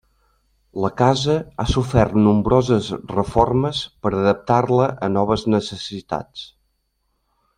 La casa ha sofert nombroses reformes per adaptar-la a noves necessitats.